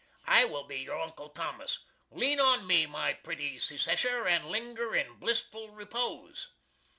I will be your Uncle Thomas! Lean on me, my pretty Secesher, and linger in Blissful repose!"